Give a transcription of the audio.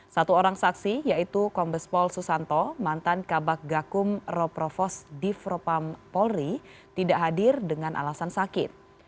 satu orang saksi yaitu kombespol susanto mantan kabak gakum roprovos divropam polri tidak hadir dengan alasan sakit